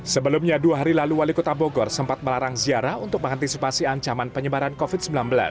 sebelumnya dua hari lalu wali kota bogor sempat melarang ziarah untuk mengantisipasi ancaman penyebaran covid sembilan belas